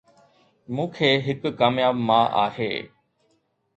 مون کي هڪ ڪامياب ماء آهي